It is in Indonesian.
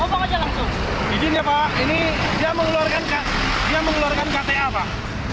pak izinnya pak ini dia mengeluarkan kta pak